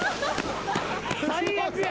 最悪や。